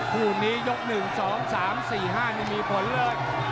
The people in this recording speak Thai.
คู่นี้ยก๑๒๓๔๕นี่มีผลเลย